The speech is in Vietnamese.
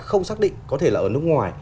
không xác định có thể là ở nước ngoài